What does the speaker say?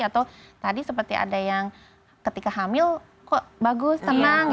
atau tadi seperti ada yang ketika hamil kok bagus tenang